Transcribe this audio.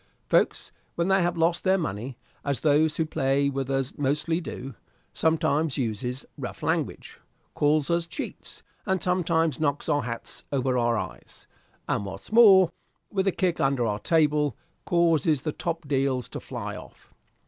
Folks, when they have lost their money, as those who play with us mostly do, sometimes uses rough language, calls us cheats, and sometimes knocks our hats over our eyes; and what's more, with a kick under our table, causes the top deals to fly off.